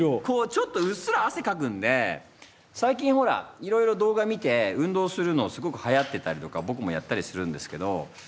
こうちょっとうっすらあせかくんで最近ほらいろいろ動画見て運動するのすごくはやってたりとかぼくもやったりするんですけど。